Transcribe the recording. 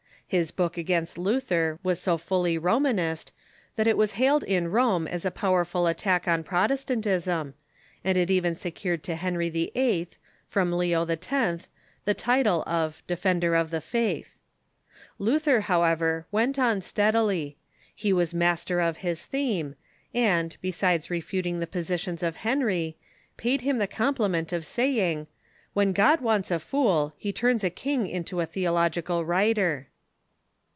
His book against Luther was so fully Romanist that it was hailed in Rome as a powerful attack on Protestantism, and it even secured to Henry VIII., from Leo X., the title of " defender of the faith." Luther, however, Avent on stead ily. He was master of his theme, and, besides refuting the positions of Henry, 2)aid him the compliment of saying :" When God wants a fool, he turns a king into a theological writer."